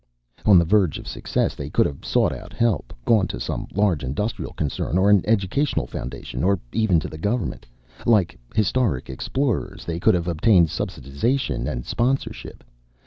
On the verge of success, they could have sought out help, gone to some large industrial concern or an educational foundation or even to the government. Like historic explorers, they could have obtained subsidization and sponsorship.